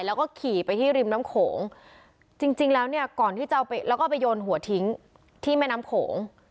แล้วก็ขี่ไปที่ริมน้ำโขงจริงแล้วเนี่ยก่อนที่จะเอาไปแล้วก็ไปโยนหัวทิ้งที่แม่น้ำโขง